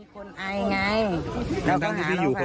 คุณป้าพี่ห่วงคนไออยู่ปะ